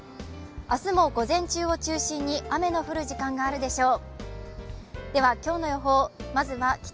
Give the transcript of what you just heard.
明日も午前中を中心に雨の降るところがあるでしょう。